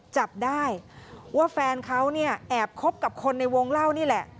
จับได้ว่าแฟนเขาเนี่ยแอบคบกับคนในวงเล่านี่แหละ